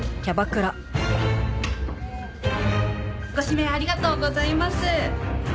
ご指名ありがとうございます。